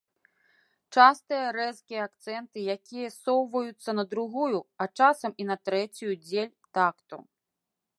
Частыя рэзкія акцэнты, якія ссоўваюцца на другую, а часам і на трэцюю дзель такту.